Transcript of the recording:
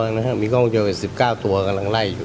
ก็ไล่อยู่๑๙มิกองเชียวีสิบเก้าตัวกำล่างไล่อยู่